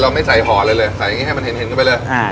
เราไม่ใส่หอดเลยเลยใส่อย่างงี้ให้มันเห็นเห็นเข้าไปเลยอ่า